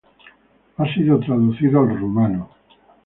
Ha sido traducido al rumano.